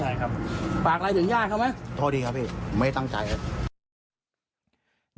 ตายครับปากไล่ถึงญาติเขาไหมโทษดีครับพี่ไม่ได้ตั้งใจครับ